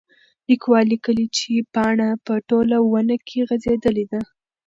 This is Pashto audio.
لیکوال لیکلي چې پاڼه په ټوله ونه کې غځېدلې ده.